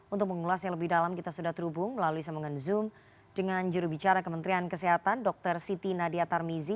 untuk mengulasnya lebih dalam kita sudah terhubung melalui sambungan zoom dengan jurubicara kementerian kesehatan dr siti nadia tarmizi